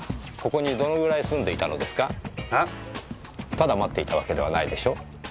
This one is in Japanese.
ただ待っていたわけではないでしょう？